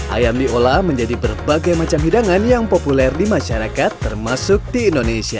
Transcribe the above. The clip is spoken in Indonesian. ayam diolah menjadi berbagai macam hidangan yang populer di masyarakat termasuk di indonesia